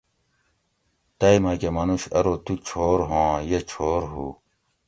تئ مکہ منوش ارو تو چھور ھواں یہ چھور ھو